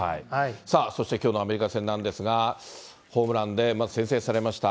さあ、そしてきょうのアメリカ戦なんですが、ホームランでまず先制されました。